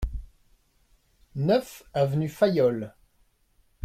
neuf avenue Fayolle